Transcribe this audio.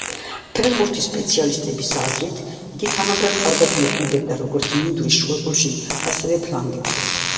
ფეხბურთის სპეციალისტების აზრით, იგი თანაბრად კარგად მოქმედებდა, როგორც მინდვრის შუაგულში, ასევე, ფლანგებზე.